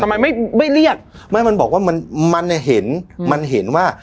ทำไมไม่ไม่เรียกไม่มันบอกว่ามันมันเนี่ยเห็นมันเห็นว่า